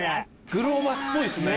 グローバスっぽいですね。